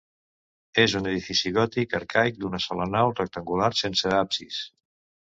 És un edifici gòtic arcaic d'una sola nau rectangular, sense absis.